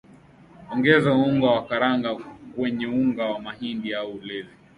Ongeza unga wa karanga kwenye unga wa mahindi au ulezi